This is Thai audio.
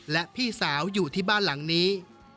และพี่สาวอยู่ที่บ้านหลังนี้